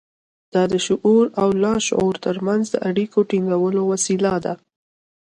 دا د شعور او لاشعور ترمنځ د اړيکو د ټينګولو وسيله ده.